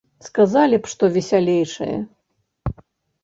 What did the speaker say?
Сказалі б што весялейшае!